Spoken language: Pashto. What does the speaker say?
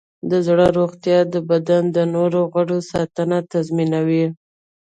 د زړه روغتیا د بدن د نور غړو ساتنه تضمینوي.